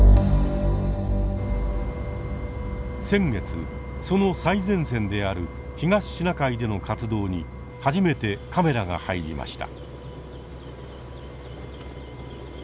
先月その最前線である東シナ海での活動に初めてカメラが入りました。